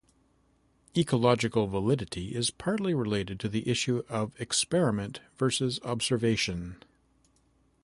Ecological validity is partly related to the issue of experiment versus observation.